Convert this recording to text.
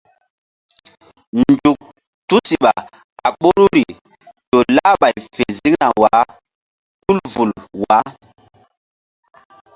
Nzuk tusiɓa a ɓoruri ƴo lah ɓay fe ziŋna wah tul vul nam.